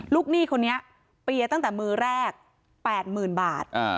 หนี้คนนี้เปียร์ตั้งแต่มือแรก๘๐๐๐บาท